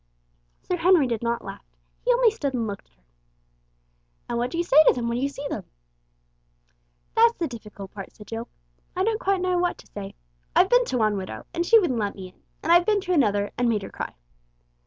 Sir Henry did not laugh. He only stood and looked at her. "And what do you say to them when you see them?" "That's the difficult part," said Jill. "I don't quite know what to say. I've been to one widow, and she wouldn't let me in, and I've been to another, and made her cry."